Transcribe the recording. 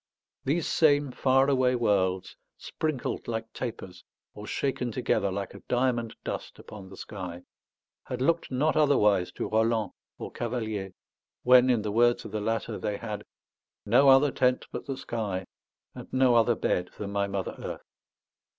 These same far away worlds, sprinkled like tapers or shaken together like a diamond dust upon the sky, had looked not otherwise to Roland or Cavalier, when, in the words of the latter, they had "no other tent but the sky, and no other bed than my mother earth."